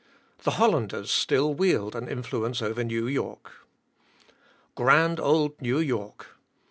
The Hollanders still wield an influence over New York. Grand Old New York!